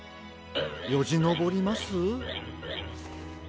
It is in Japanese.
よじのぼります？